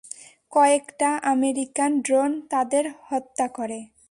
কয়েকটা American drone তাদের হত্যা করে।